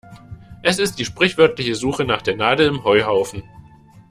Es ist die sprichwörtliche Suche nach der Nadel im Heuhaufen.